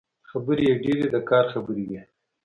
خبرې يې ډېرې د کار خبرې وې.